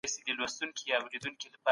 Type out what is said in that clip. استازي ولي په ټولنه کي عدالت غواړي؟